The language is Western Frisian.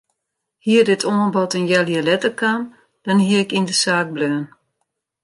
Hie dit oanbod in healjier letter kaam dan hie ik yn de saak bleaun.